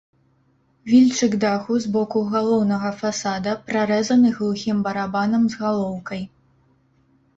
Вільчык даху з боку галоўнага фасада прарэзаны глухім барабанам з галоўкай.